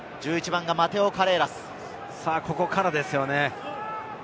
さあ、ここからですよね。